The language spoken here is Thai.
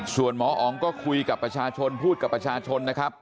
ส่วนหมออ๋องก็คุยกับประชาชนพูดกับประชาชนนะครับ